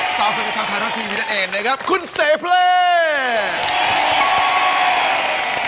สาวสังเกตุธรรมไทยรอบทีมนั้นเองนะครับคุณเซเพลย์